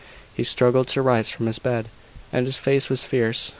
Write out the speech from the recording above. He struggled to rise from his bed, and his face was fierce.